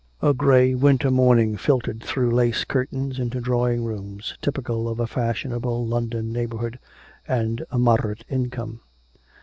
A grey, winter morning filtered through lace curtains into drawing rooms typical of a fashionable London neighbourhood and a moderate income.